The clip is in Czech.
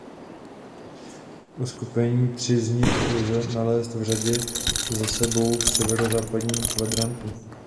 Uskupení tří z nich lze nalézt v řadě za sebou v severozápadním kvadrantu.